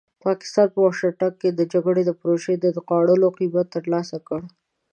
پاکستان په واشنګټن کې د جګړې د پروژې د نغاړلو قیمت ترلاسه کړ.